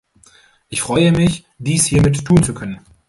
Ich freue mich, dies hiermit tun zu können.